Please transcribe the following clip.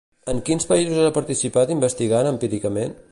En quins països ha participat investigant empíricament?